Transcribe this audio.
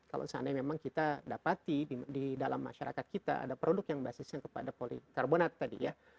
kalau seandainya memang kita dapati di dalam masyarakat kita ada produk yang basisnya kepada polikarbonat tadi ya